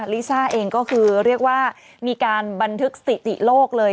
ลิซ่าเองก็คือเรียกว่ามีการบันทึกสถิติโลกเลย